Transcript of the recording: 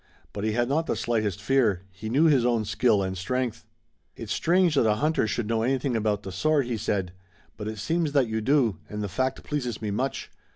But he had not the slightest fear. He knew his own skill and strength. "It's strange that a hunter should know anything about the sword," he said, "but it seems that you do and the fact pleases me much.